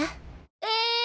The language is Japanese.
え！